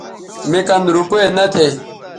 مے کن روپے نہ تھے